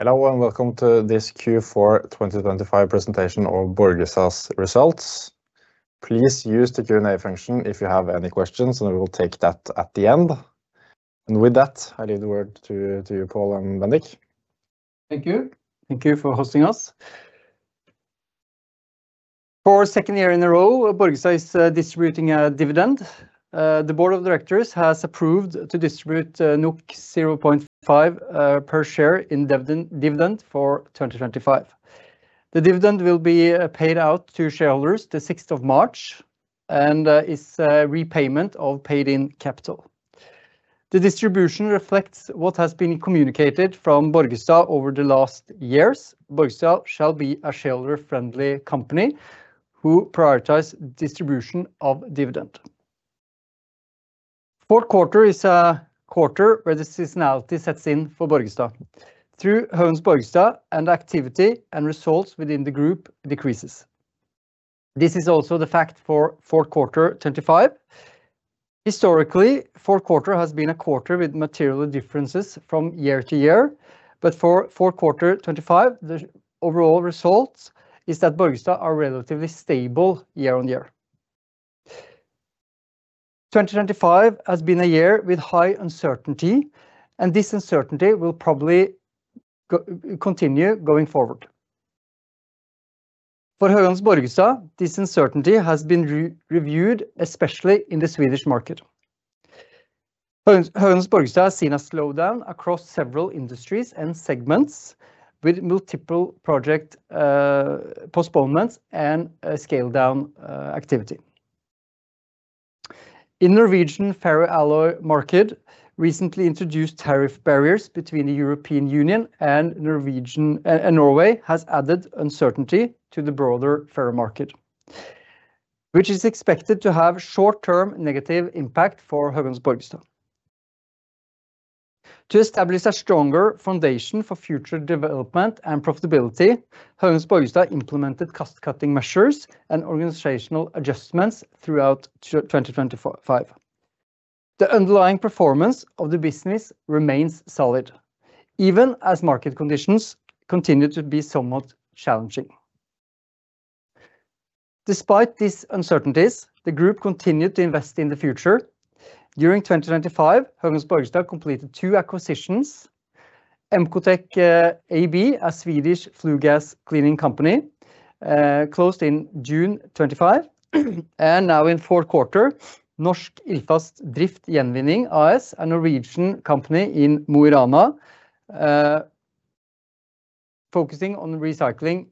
Hello, welcome to this Q4 2025 presentation of Borgestad's results. Please use the Q&A function if you have any questions, and we will take that at the end. With that, I leave the word to Pål and Bendik. Thank you. Thank you for hosting us. For a second year in a row, Borgestad is distributing a dividend. The board of directors has approved to distribute 0.5 per share in dividend for 2025. The dividend will be paid out to shareholders the 6th of March, and is a repayment of paid-in capital. The distribution reflects what has been communicated from Borgestad over the last years. Borgestad shall be a shareholder-friendly company who prioritize distribution of dividend. Q4 is a quarter where the seasonality sets in for Borgestad. Through Höganäs Borgestad and activity and results within the group decreases. This is also the fact for Q4 25. Historically, Q4 has been a quarter with material differences from year to year, but for Q4 25, the overall results is that Borgestad are relatively stable year-on-year. 2025 has been a year with high uncertainty. This uncertainty will probably continue going forward. For Höganäs Borgestad, this uncertainty has been re-reviewed, especially in the Swedish market. Höganäs Borgestad has seen a slowdown across several industries and segments, with multiple project postponements and a scale-down activity. In Norwegian, ferroalloy market recently introduced tariff barriers between the European Union and Norway has added uncertainty to the broader fair market, which is expected to have short-term negative impact for Höganäs Borgestad. To establish a stronger foundation for future development and profitability, Höganäs Borgestad implemented cost-cutting measures and organizational adjustments throughout 2025. The underlying performance of the business remains solid, even as market conditions continue to be somewhat challenging. Despite these uncertainties, the group continued to invest in the future. During 2025, Höganäs Borgestad completed 2 acquisitions. Mcotec AB, a Swedish flue gas cleaning company, closed in June 25. Now in Q4, Norsk Ildfast Gjenvinning AS, a Norwegian company in Mo i Rana, focusing on recycling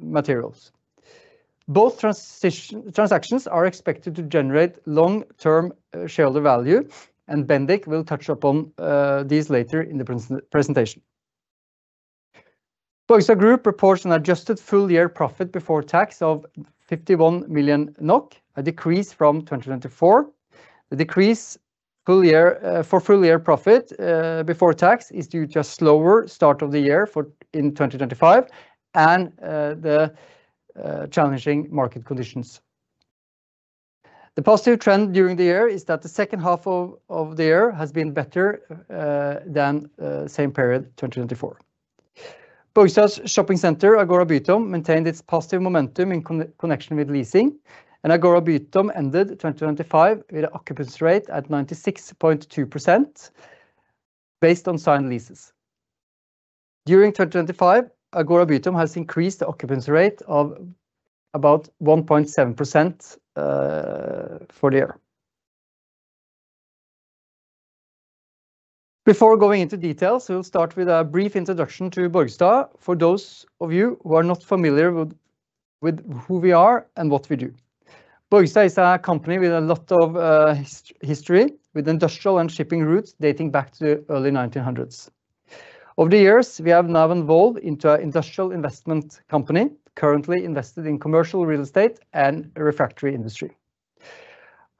materials. Both transactions are expected to generate long-term shareholder value. Bendik will touch upon these later in the presentation. Borgestad Group reports an adjusted full-year profit before tax of 51 million NOK, a decrease from 2024. The decrease full year for full year profit before tax is due to slower start of the year for in 2025 and the challenging market conditions. The positive trend during the year is that the H2 of the year has been better than same period 2024. Borgestad's shopping center, Agora Bytom, maintained its positive momentum in connection with leasing. Agora Bytom ended 2025 with an occupancy rate at 96.2%, based on signed leases. During 2025, Agora Bytom has increased the occupancy rate of about 1.7% for the year. Before going into details, we'll start with a brief introduction to Borgestad, for those of you who are not familiar with who we are and what we do. Borgestad is a company with a lot of history, with industrial and shipping routes dating back to the early 1900s. Over the years, we have now evolved into an industrial investment company, currently invested in commercial real estate and refractory industry.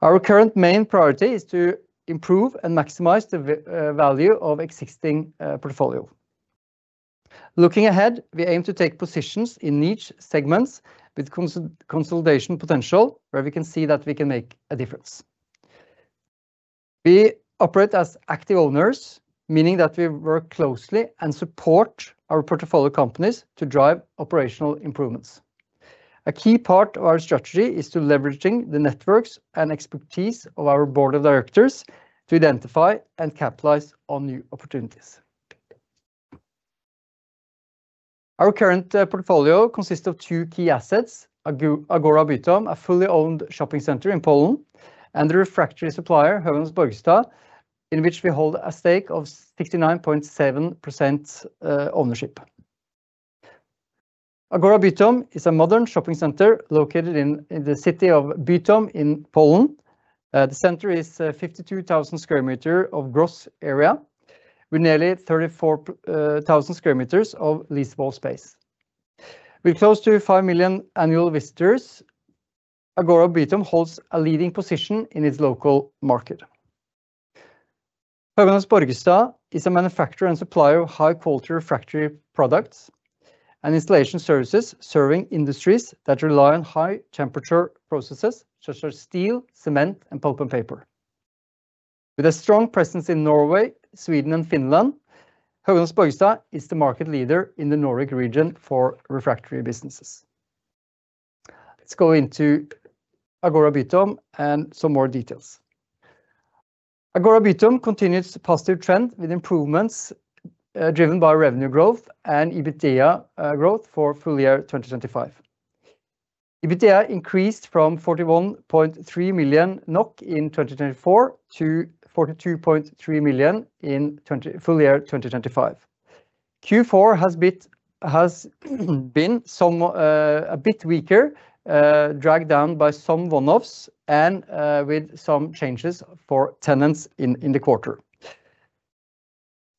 Our current main priority is to improve and maximize the value of existing portfolio. Looking ahead, we aim to take positions in each segments with consolidation potential, where we can see that we can make a difference. We operate as active owners, meaning that we work closely and support our portfolio companies to drive operational improvements. A key part of our strategy is to leveraging the networks and expertise of our board of directors to identify and capitalize on new opportunities. Our current portfolio consists of 2 key assets: Agora Bytom, a fully owned shopping center in Poland, and the refractory supplier, Höganäs Borgestad, in which we hold a stake of 69.7% ownership. Agora Bytom is a modern shopping center located in the city of Bytom in Poland. The center is 52,000 square meter of gross area with nearly 34,000 square meters of leasable space. With close to 5 million annual visitors, Agora Bytom holds a leading position in its local market. Höganäs Borgestad is a manufacturer and supplier of high-quality refractory products and installation services, serving industries that rely on high temperature processes such as steel, cement, and pulp and paper. With a strong presence in Norway, Sweden and Finland, Höganäs Borgestad is the market leader in the Nordic region for refractory businesses. Let's go into Agora Bytom and some more details. Agora Bytom continues the positive trend, with improvements, driven by revenue growth and EBITDA growth for full year 2025. EBITDA increased from 41.3 million NOK in 2024 to 42.3 million in full year 2025. Q4 has been some a bit weaker, dragged down by some one-offs and with some changes for tenants in the quarter.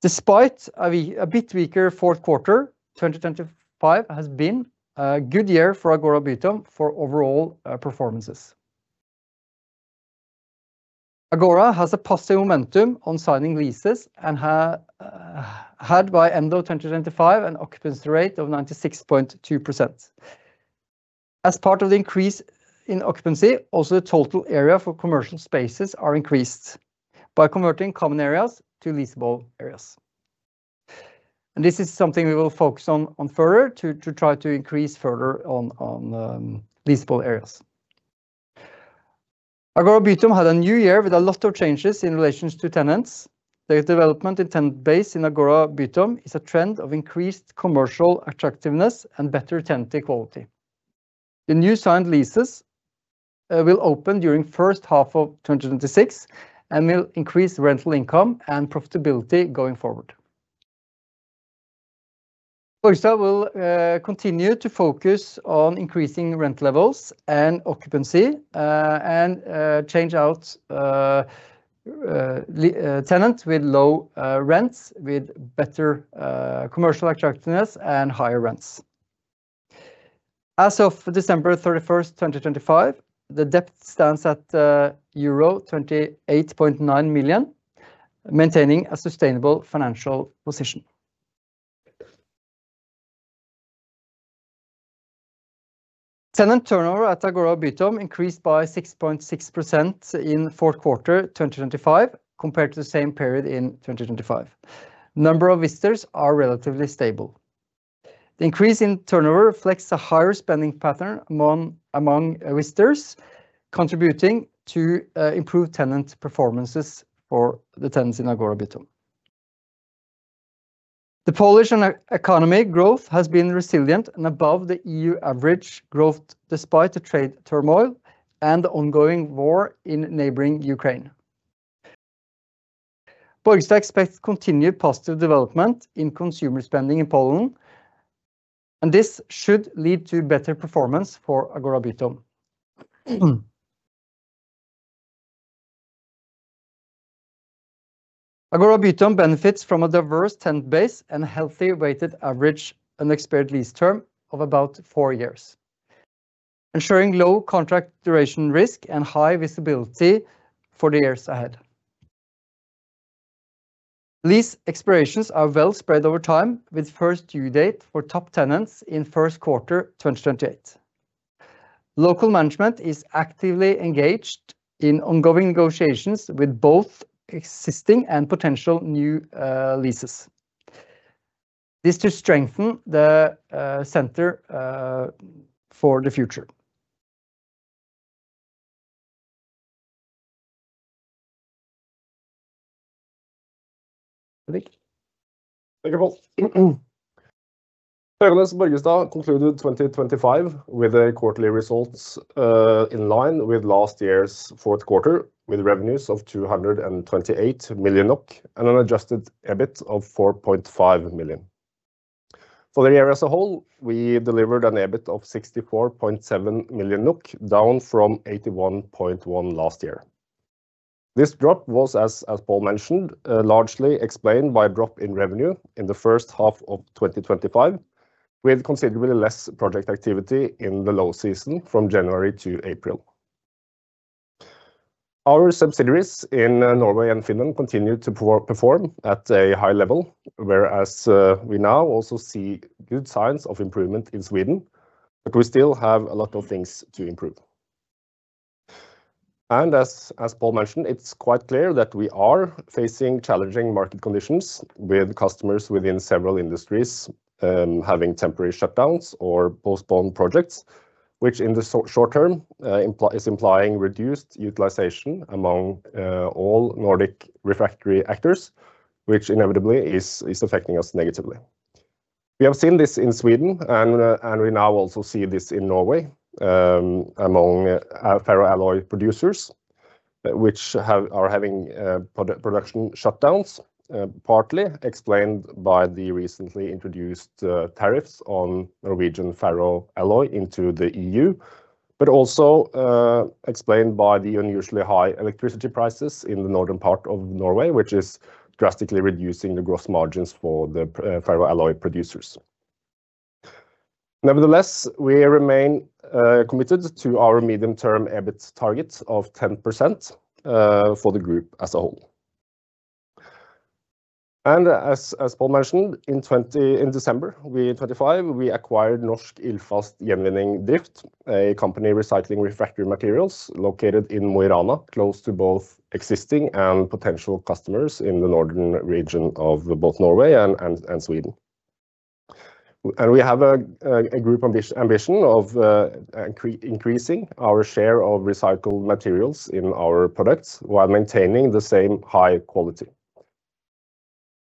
Despite a bit weaker Q4, 2025 has been a good year for Agora Bytom for overall performances. Agora has a positive momentum on signing leases and have had by end of 2025, an occupancy rate of 96.2%. As part of the increase in occupancy, also, the total area for commercial spaces are increased by converting common areas to leasable areas. This is something we will focus on further to try to increase further on leasable areas. Agora Bytom had a new year with a lot of changes in relations to tenants. The development in tenant base in Agora Bytom is a trend of increased commercial attractiveness and better tenant quality. The new signed leases will open during H1 of 2026 and will increase rental income and profitability going forward. First, I will continue to focus on increasing rent levels and occupancy, and change out tenants with low rents, with better commercial attractiveness and higher rents. As of December 31st, 2025, the debt stands at euro 28.9 million, maintaining a sustainable financial position. Tenant turnover at Agora Bytom increased by 6.6% in the Q4 2025, compared to the same period in 2025. Number of visitors are relatively stable. The increase in turnover reflects a higher spending pattern among visitors, contributing to improved tenant performances for the tenants in Agora Bytom. The Polish economy growth has been resilient and above the EU average growth despite the trade turmoil and the ongoing war in neighboring Ukraine. Borgestad expects continued positive development in consumer spending in Poland, and this should lead to better performance for Agora Bytom. Agora Bytom benefits from a diverse tenant base and a healthy weighted average, an expired lease term of about 4 years, ensuring low contract duration risk and high visibility for the years ahead. These expirations are well spread over time, with 1st due date for top tenants in 1st quarter 2028. Local management is actively engaged in ongoing negotiations with both existing and potential new leases. This to strengthen the center for the future. Bendik? Thank you, Pål. Höganäs Borgestad concluded 2025, with a quarterly results in line with last year's Q4, with revenues of 228 million NOK and an adjusted EBIT of 4.5 million NOK. For the year as a whole, we delivered an EBIT of 64.7 million NOK, down from 81.1 million NOK last year. This drop was as Pål mentioned, largely explained by a drop in revenue in the H1 of 2025, with considerably less project activity in the low season from January to April. Our subsidiaries in Norway and Finland continued to perform at a high level, whereas we now also see good signs of improvement in Sweden, but we still have a lot of things to improve. As Pål mentioned, it's quite clear that we are facing challenging market conditions with customers within several industries, having temporary shutdowns or postponed projects, which in the short term, is implying reduced utilization among all Nordic refractory actors, which inevitably is affecting us negatively. We have seen this in Sweden and we now also see this in Norway, among ferroalloy producers, which are having product production shutdowns, partly explained by the recently introduced tariffs on Norwegian ferroalloy into the EU. Also, explained by the unusually high electricity prices in the northern part of Norway, which is drastically reducing the gross margins for the ferroalloy producers. Nevertheless, we remain committed to our medium-term EBIT targets of 10% for the group as a whole. As Pål mentioned, in December 2025, we acquired Norsk Ildfast Gjenvinning Drift, a company recycling refractory materials located in Mo i Rana, close to both existing and potential customers in the northern region of both Norway and Sweden. We have a group ambition of increasing our share of recycled materials in our products while maintaining the same high quality.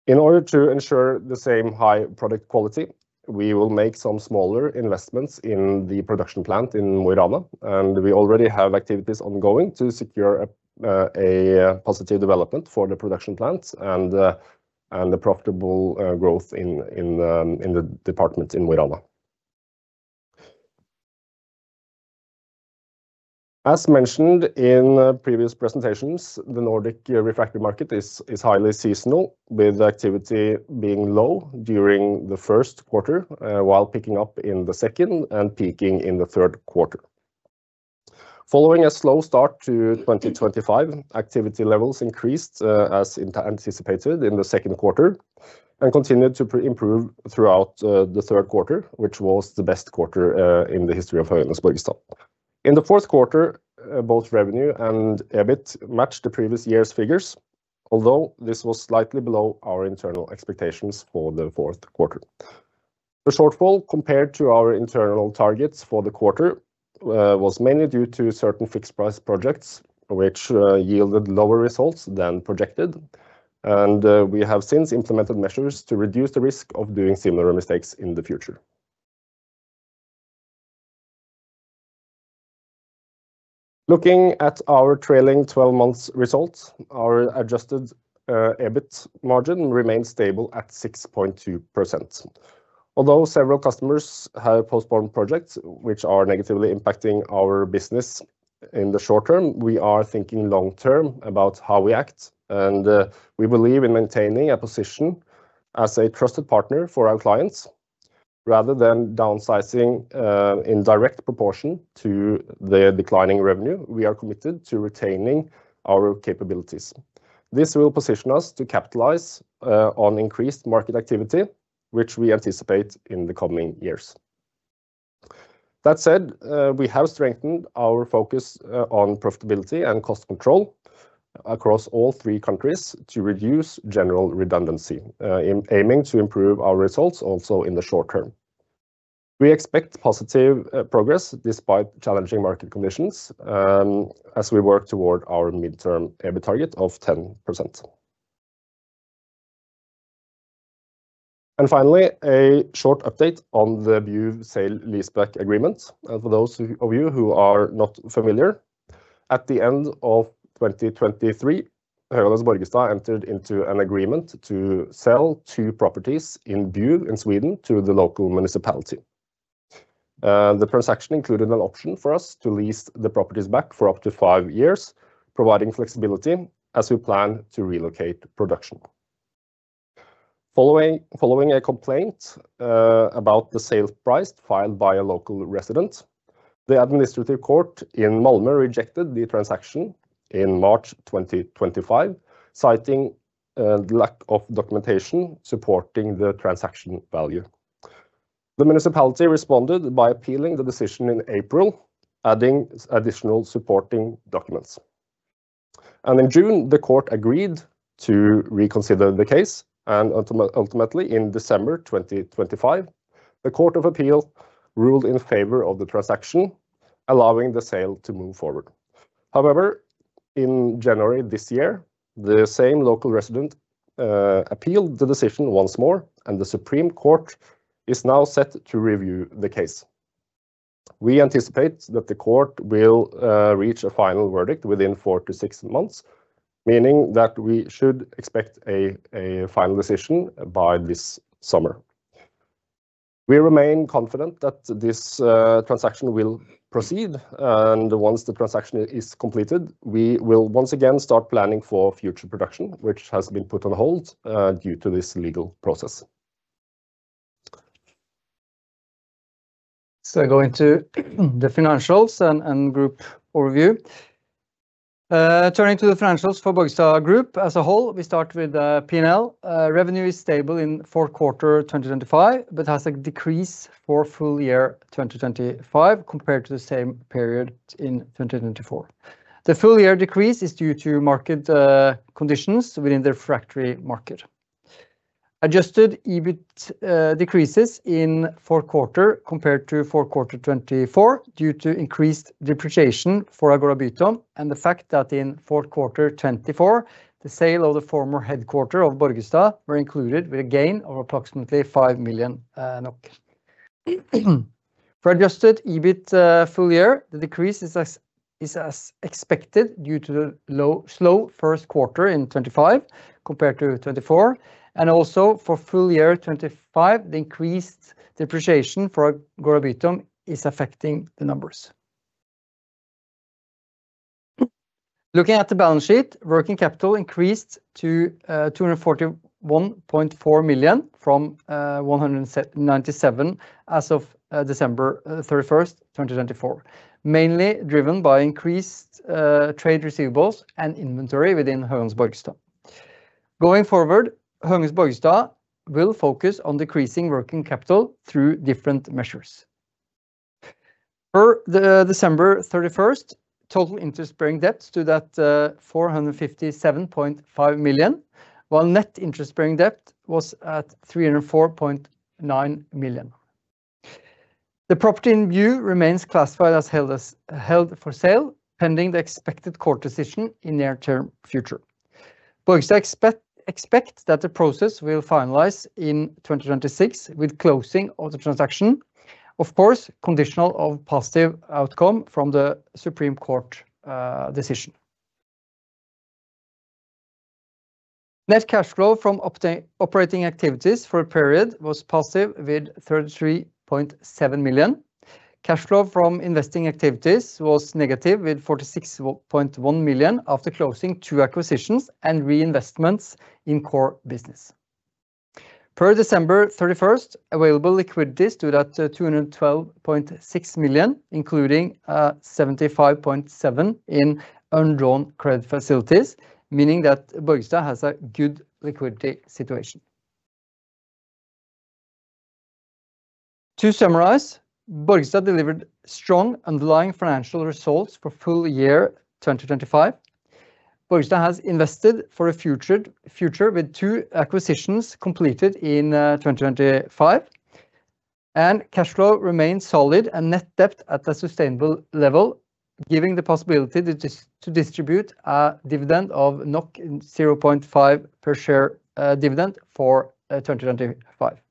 In order to ensure the same high product quality, we will make some smaller investments in the production plant in Mo i Rana, and we already have activities ongoing to secure a positive development for the production plant and the profitable growth in the department in Mo i Rana. As mentioned in previous presentations, the Nordic refractory market is highly seasonal, with activity being low during the 1st quarter, while picking up in the 2nd and peaking in the 3rd quarter. Following a slow start to 2025, activity levels increased as anticipated in the 2nd quarter and continued to improve throughout the 3rd quarter, which was the best quarter in the history of Höganäs Borgestad. In the 4th quarter, both revenue and EBIT matched the previous year's figures, although this was slightly below our internal expectations for the 4th quarter. The shortfall compared to our internal targets for the quarter was mainly due to certain fixed price projects, which yielded lower results than projected, and we have since implemented measures to reduce the risk of doing similar mistakes in the future. Looking at our trailing 12 months results, our adjusted EBIT margin remained stable at 6.2%. Although several customers have postponed projects which are negatively impacting our business in the short term, we are thinking long term about how we act, and we believe in maintaining a position as a trusted partner for our clients. Rather than downsizing in direct proportion to the declining revenue, we are committed to retaining our capabilities. This will position us to capitalize on increased market activity, which we anticipate in the coming years. That said, we have strengthened our focus on profitability and cost control across all 3 countries to reduce general redundancy, aiming to improve our results also in the short term. We expect positive progress despite challenging market conditions, as we work toward our midterm EBIT target of 10%. Finally, a short update on the Bjuv sale leaseback agreement. For those of you who are not familiar, at the end of 2023, Höganäs Borgestad entered into an agreement to sell 2 properties in Bjuv in Sweden to the local municipality. The transaction included an option for us to lease the properties back for up to 5 years, providing flexibility as we plan to relocate production. Following a complaint about the sale price filed by a local resident, the Administrative Court in Malmö rejected the transaction in March 2025, citing lack of documentation supporting the transaction value. The municipality responded by appealing the decision in April, adding additional supporting documents. In June, the court agreed to reconsider the case, and ultimately, in December 2025, the Court of Appeal ruled in favor of the transaction, allowing the sale to move forward. In January this year, the same local resident appealed the decision once more, and the Supreme Court is now set to review the case. We anticipate that the court will reach a final verdict within 4 to 6 months, meaning that we should expect a final decision by this summer. We remain confident that this transaction will proceed, and once the transaction is completed, we will once again start planning for future production, which has been put on hold due to this legal process. Going to the financials and group overview. Turning to the financials for Borgestad Group as a whole, we start with P&L. Revenue is stable in Q4 2025, but has a decrease for full year 2025 compared to the same period in 2024. The full year decrease is due to market conditions within the refractory market. Adjusted EBIT decreases in Q4 compared to Q4 2024, due to increased depreciation for Agora Bytom and the fact that in Q4 2024, the sale of the former headquarter of Borgestad were included, with a gain of approximately 5 million. For adjusted EBIT, full year, the decrease is as expected, due to the slow Q1 in 2025 compared to 2024, and also for full year 2025, the increased depreciation for Agora Bytom is affecting the numbers. Looking at the balance sheet, working capital increased to 241.4 million from 197 million as of December 31st, 2024, mainly driven by increased trade receivables and inventory within Höganäs Borgestad. Going forward, Höganäs Borgestad will focus on decreasing working capital through different measures. Per the December 31st, total interest-bearing debt stood at 457.5 million, while net interest-bearing debt was at 304.9 million. The property in view remains classified as held for sale, pending the expected court decision in near term future. Borgestad expect that the process will finalize in 2026, with closing of the transaction, of course, conditional of positive outcome from the Supreme Court decision. Net cash flow from operating activities for a period was positive with 33.7 million. Cash flow from investing activities was negative, with 46.1 million after closing 2 acquisitions and reinvestments in core business. Per December 31, available liquidities stood at 212.6 million, including 75.7 in undrawn credit facilities, meaning that Borgestad has a good liquidity situation. To summarize, Borgestad delivered strong underlying financial results for full year 2025. Borgestad has invested for a future, with 2 acquisitions completed in 2025, and cash flow remains solid and net debt at a sustainable level, giving the possibility to distribute a dividend of 0.5 per share, dividend for 2025.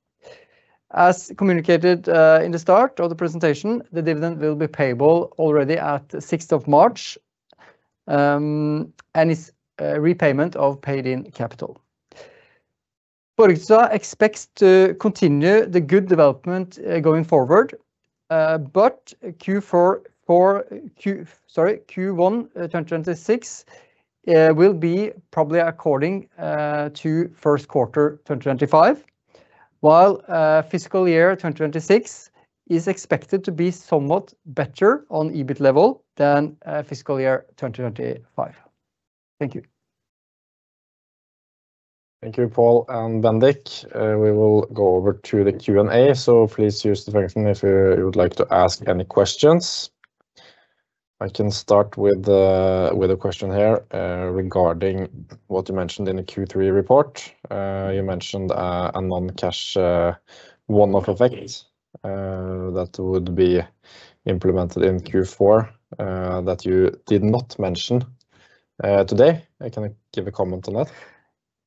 As communicated in the start of the presentation, the dividend will be payable already at the 6th of March and is repayment of paid-in capital. Borgestad expects to continue the good development going forward. Q1 2026 will be probably according to Q1 2025, while FY 2026 is expected to be somewhat better on EBIT level than FY 2025. Thank you. Thank you, Pål and Bendik. We will go over to the Q&A, so please use the function if you would like to ask any questions. I can start with a question here regarding what you mentioned in the Q3 report. You mentioned a non-cash, one-off effect that would be implemented in Q4 that you did not mention today. Can you give a comment on that?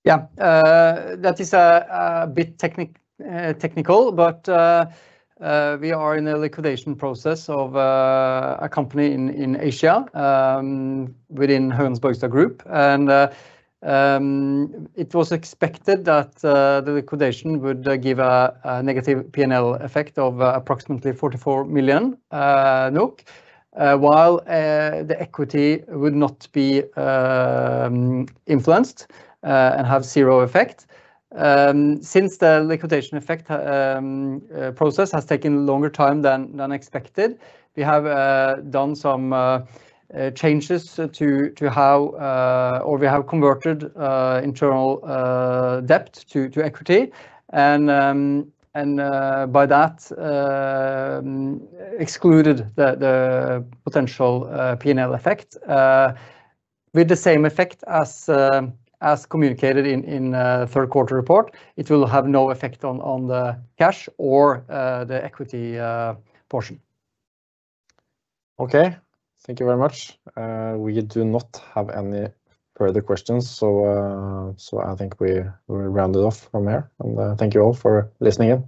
Yeah. That is a bit technical, but we are in a liquidation process of a company in Asia within Höganäs Borgestad Group. It was expected that the liquidation would give a negative PNL effect of approximately 44 million NOK, while the equity would not be influenced and have 0 effect. Since the liquidation effect process has taken longer time than expected, we have done some changes to how or we have converted internal debt to equity and by that excluded the potential PNL effect. With the same effect as communicated in Q3 report, it will have no effect on the cash or, the equity, portion. Okay. Thank you very much. We do not have any further questions, so I think we round it off from here. Thank you all for listening in.